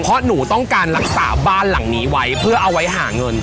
เพราะหนูต้องการรักษาบ้านหลังนี้ไว้เพื่อเอาไว้หาเงิน